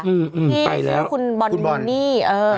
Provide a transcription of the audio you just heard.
อืมไปแล้วที่คุณบอนมิวนี่